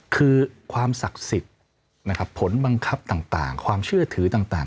คือความศักดิ์สิทธิ์นะครับผลบังคับต่างความเชื่อถือต่าง